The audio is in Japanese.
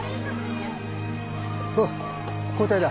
おう交代だ。